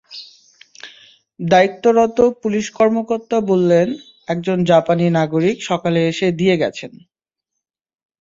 দায়িত্বরত পুলিশ কর্মকর্তা বললেন, একজন জাপানি নাগরিক সকালে এসে দিয়ে গেছেন।